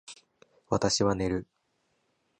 私は寝る